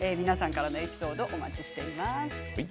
などなど皆さんからのエピソードお待ちしています。